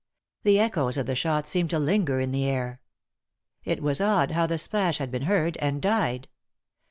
The echoes of the shot seemed to linger in the air. It was odd how the splash had been heard, and died.